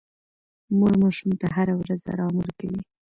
مور ماشوم ته هره ورځ ارام ورکوي.